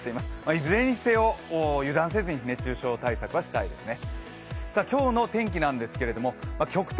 いずれにせよ、油断せずに熱中症対策はしたいですね。